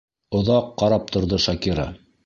Оҙаҡ ҡарап торҙо Шакира.